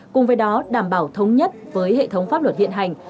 cùng với đó đảm bảo thống nhất với hệ thống pháp luật hiện hành